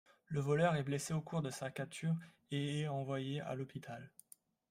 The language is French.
Le voleur est blessé au cours de sa capture et est envoyé à l'hôpital.